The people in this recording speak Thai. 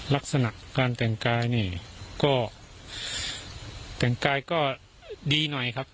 ลักษณะการแต่งกายนี่ก็แต่งกายก็ดีหน่อยครับ